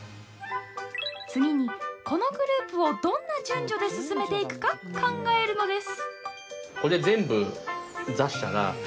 次に、このグループをどんな順序で進めていくか考えるのです！